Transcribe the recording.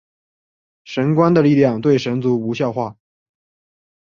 神官的力量对神族无效化。